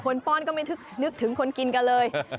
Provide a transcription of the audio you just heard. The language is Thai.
ป้อนก็ไม่นึกถึงคนกินกันเลย